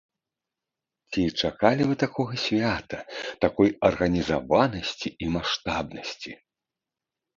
Ці чакалі вы такога свята, такой арганізаванасці і маштабнасці?